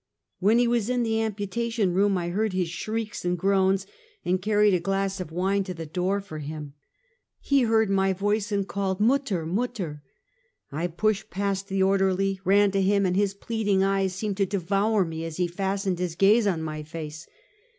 When he was in the amputation room I heard his shrieks and groans, and carried a glass of wine to the door for him. 270 Half a Centuet. He heard my voice, and called "Mutter! mutter!" I pushed past the orderly, ran to him, and his plead ing eyes seemed to devour me as he fastened his gaze on my face.